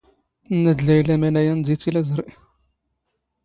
ⵜⵏⵏⴰ ⴷ ⵍⴰⵢⵍⴰ ⵎⴰⵏ ⴰⵢⴰ ⵏⵏ ⴷⵉ ⵜⵉⵍⵉⵥⵕⵉ.